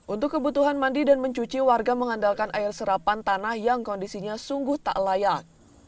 untuk kebutuhan mandi dan mencuci warga mengandalkan air serapan tanah yang kondisinya sungguh tak layak